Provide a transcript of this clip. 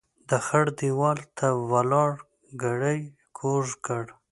د خړ ديوال ته ولاړ ګړی کوږ کړ.